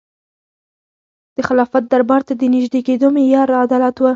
د خلافت دربار ته د نژدې کېدو معیار عدالت و.